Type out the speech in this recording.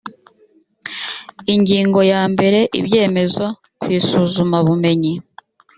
ingingo ya mbere ibyemezo ku isuzumabumenyi